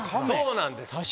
そうなんです！